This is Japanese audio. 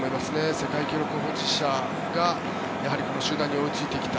世界記録保持者がこの集団に追いついてきた。